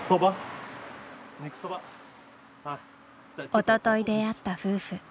おととい出会った夫婦。